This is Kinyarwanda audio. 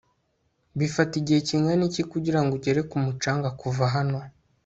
bifata igihe kingana iki kugirango ugere ku mucanga kuva hano